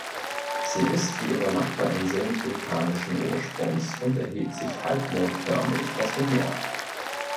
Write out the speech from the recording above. Sie ist wie ihre Nachbarinseln vulkanischen Ursprungs und erhebt sich halbmondförmig aus dem Meer.